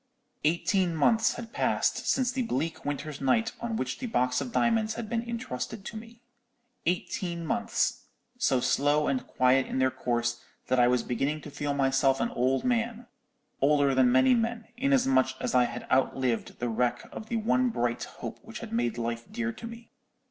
"Eighteen months had passed since the bleak winter's night on which the box of diamonds had been intrusted to me; eighteen months, so slow and quiet in their course that I was beginning to feel myself an old man, older than many old men, inasmuch as I had outlived the wreck of the one bright hope which had made life dear to me.